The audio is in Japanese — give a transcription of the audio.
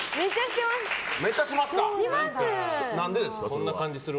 そんな感じする。